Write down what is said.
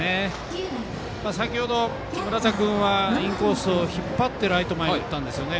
先ほど、村田君はインコースを引っ張ってライト前に打ったんですよね。